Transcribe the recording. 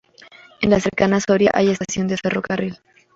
En la cercana Soria hay estación de ferrocarril.